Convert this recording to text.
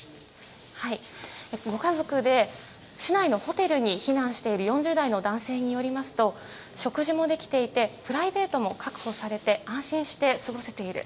ご家族で市内のホテルに避難している４０代の男性によりますと食事もできていてプライベートも確保されていて安心して過ごせている。